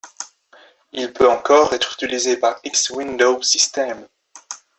Il peut encore être utilisé par X Window System.